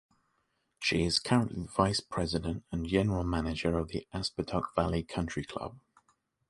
She is currently vice president and general manager of the Aspetuck Valley Country Club.